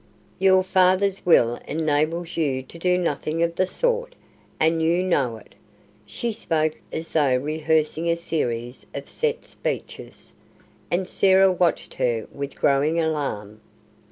"Your father's will enables you to do nothing of the sort, and you know it." She spoke as though rehearsing a series of set speeches, and Sarah watched her with growing alarm.